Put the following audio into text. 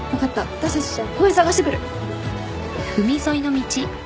私たちじゃあ公園捜してくる。